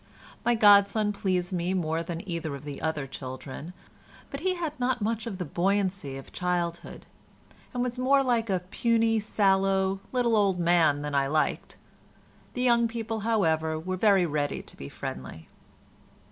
My godson pleased me more than either of the other children, but he had not much of the buoyancy of childhood, and was more like a puny, sallow little old man than I liked. The young people, however, were very ready to be friendly.